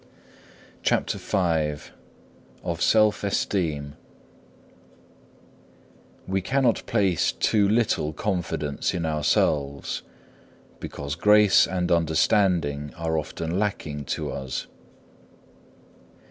CHAPTER V Of self esteem We cannot place too little confidence in ourselves, because grace and understanding are often lacking to us.